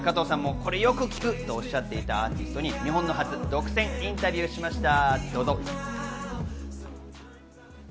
加藤さんも、これよく聴くとおっしゃっていたアーティストに日本の初独占インタビューしました。